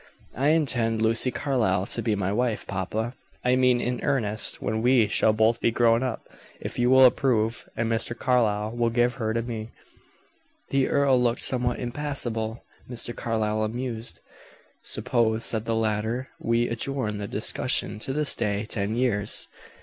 "I intend Lucy Carlyle to be my wife, papa. I mean in earnest when we shall both be grown up if you will approve, and Mr. Carlyle will give her to me." The earl looked somewhat impassable, Mr. Carlyle amused. "Suppose," said the latter, "we adjourn the discussion to this day ten years?"